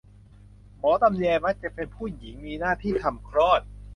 หมอตำแย มักจะเป็นผู้หญิง มีหน้าที่ทำคลอด